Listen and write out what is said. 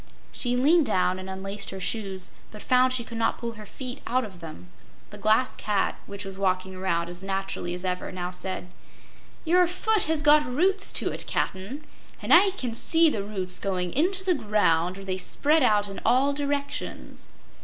She leaned down and unlaced her shoes, but found she could not pull her feet out of them. The Glass Cat, which was walking around as naturally as ever, now said: "Your foot has got roots to it, Cap'n, and I can see the roots going into the ground, where they spread out in all directions.